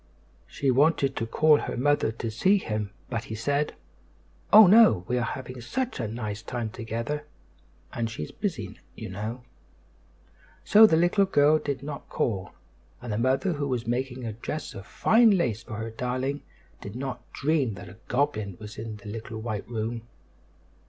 She wanted to call her mother to see him; but he said: "Oh! no; we are having such a nice time together, and she's busy, you know." So the little girl did not call; and the mother, who was making a dress of fine lace for her darling, did not dream that a goblin was in the little white room.